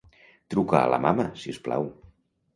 Truca a la mama, si us plau.